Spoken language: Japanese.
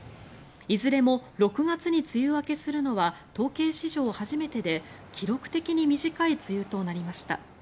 いずれも６月に梅雨明けするのは統計史上初めてで記録的に短い梅雨となりました。